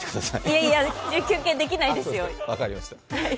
いえいえ、休憩できないですよ。